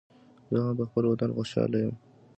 زه هم پخپل وطن خوشحال یم